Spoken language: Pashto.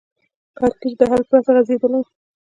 کړکېچ د حل پرته غځېدلی